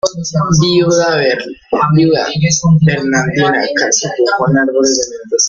Viuda, Bernardina casó con Juan Ábalos de Mendoza.